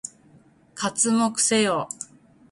刮目せよ！